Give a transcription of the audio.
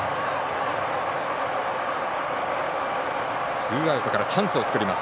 ツーアウトからチャンスを作ります。